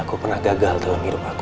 aku pernah gagal dalam hidup aku